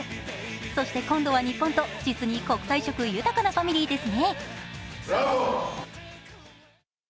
そして今度は日本と実に国際色豊かなファミリーですね。